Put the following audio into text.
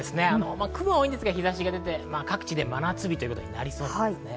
雲は多いですが、日差しが出て、各地で真夏日ということになりそうです。